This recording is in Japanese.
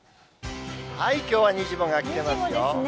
きょうはにじモが来てますよ。